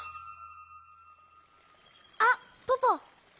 あっポポ。